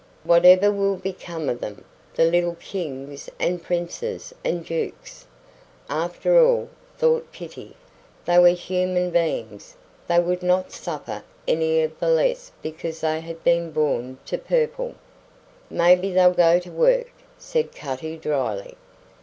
"Whatever will become of them the little kings and princes and dukes?" After all, thought Kitty, they were human beings; they would not suffer any the less because they had been born to the purple. "Maybe they'll go to work," said Cutty, dryly.